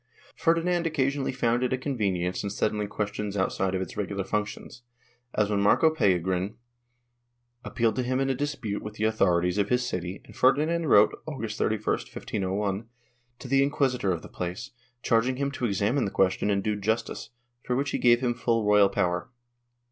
Ferdinand occasionally found it a convenience in settling questions outside of its regular functions, as when Marco Pellegrin appealed to him in a dispute with the authorities of his city and Ferdinand wrote, August 31, 1501, to the inquisitor of the place, charging him to examine the question and do justice, for which he gave him full royal power.